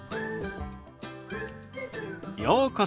ようこそ。